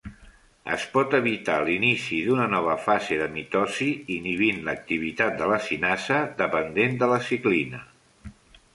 Es pot evitar l'inici d'una nova fase de mitosi inhibint l'activitat de la cinasa dependent de ciclina.